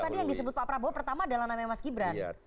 karena tadi yang disebut pak prabowo pertama adalah namanya mas gibran